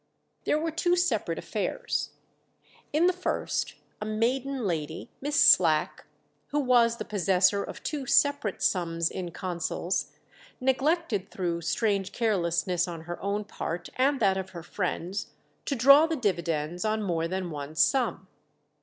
There were two separate affairs. In the first a maiden lady, Miss Slack, who was the possessor of two separate sums in consols, neglected through strange carelessness on her own part and that of her friends to draw the dividends on more than one sum.